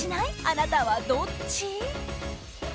あなたはどっち？